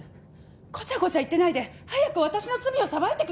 ごちゃごちゃ言ってないで早く私の罪を裁いてください！